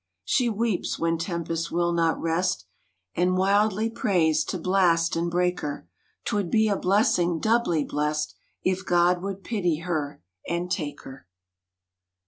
She weeps when tempests will not rest, And wildly prays to blast and breaker ; 'T would be a blessing doubly blest If God would pity her and take her.